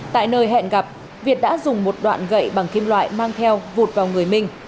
tại nơi hẹn gặp việt đã dùng một đoạn gậy bằng kim loại mang theo vụt vào người minh